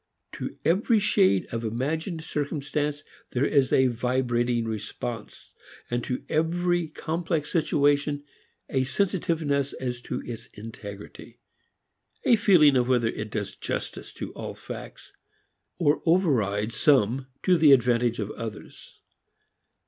To every shade of imagined circumstance there is a vibrating response; and to every complex situation a sensitiveness as to its integrity, a feeling of whether it does justice to all facts, or overrides some to the advantage of others.